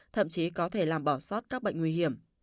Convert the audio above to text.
thậm chí có thể làm bỏ sót các bệnh nguy hiểm